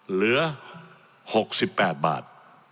เหลือ๖๘บาท